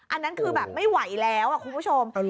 อันนั้นคือแบบไม่ไหวแล้วคุณผู้ชม